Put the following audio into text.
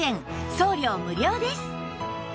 送料無料です